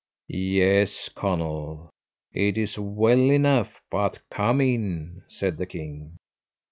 "Yes, Conall, it is well enough, but come in," said the king.